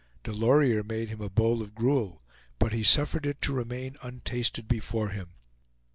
Delorier made him a bowl of gruel, but he suffered it to remain untasted before him.